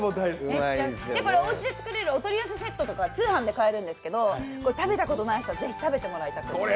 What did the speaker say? おうちで作れるお取り寄せセットとか通販が買えるんですけど、これ食べたことない人は是非、食べてもらいたくて。